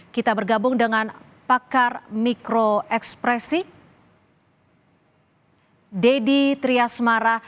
kita bergabung dengan pakar mikro ekspresi deddy triasmara